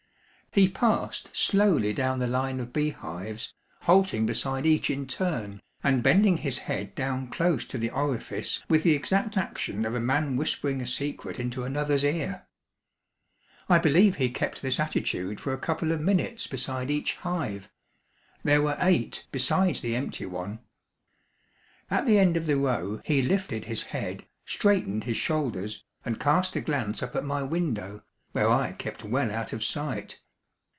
He passed slowly down the line of bee hives, halting beside each in turn, and bending his head down close to the orifice with the exact action of a man whispering a secret into another's ear. I believe he kept this attitude for a couple of minutes beside each hive there were eight, besides the empty one. At the end of the row he lifted his head, straightened his shoulders, and cast a glance up at my window, where I kept well out of sight.